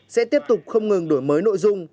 sẽ tiếp tục không ngừng đổi mới nội dung